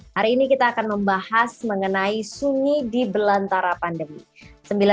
hari ini kita akan membahas mengenai sunyi di belantara pandemi